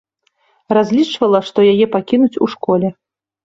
Разлічвала, што яе пакінуць у школе.